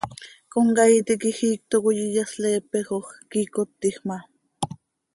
Comcaii tiquij iicto coi iyasleepejoj, quiicot tiij ma.